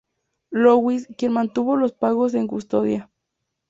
Louis, quien mantuvo los pagos en custodia.